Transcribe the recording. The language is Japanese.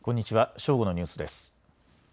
正午のニュースです。